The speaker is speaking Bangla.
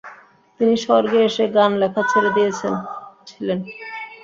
তিনি স্বর্গে এসে গান লেখা ছেড়ে দিয়েছিলেন।